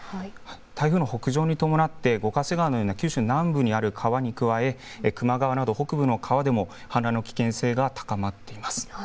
台風の北上に伴って、五ヶ瀬川のような九州南部にある川に加え、球磨川など、北部の川でも氾濫の危険性が高まっています。